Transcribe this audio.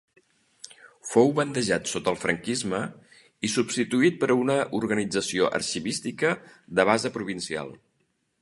Fou bandejat sota el franquisme i substituït per una organització arxivística de base provincial.